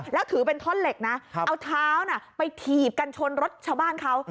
แล้วถือเป็นท่อนเหล็กนะเอาเท้าไปถีบกันชนรถชาวบ้านเขา